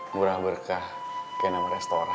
murah berkah kayak nama restoran